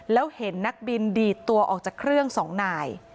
แล้วเห็นนักบินดีดตัวออกจากเครื่องสองนาย